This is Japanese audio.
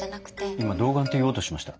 今「童顔」って言おうとしました？